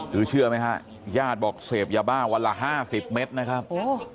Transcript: คือเชื่อไหมฮะญาติบอกเสพยาบ้าวันละ๕๐เมตรนะครับ